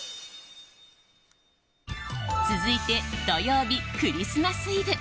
続いて土曜日、クリスマスイブ。